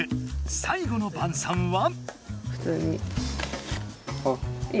最後のばんさんは。